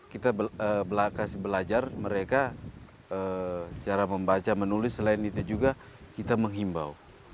kita kasih belajar mereka cara membaca menulis selain itu juga kita menghimbau